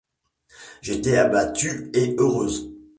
J’étais abattue et heureuse.